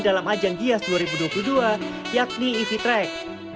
dalam ajang gias dua ribu dua puluh dua yakni ev track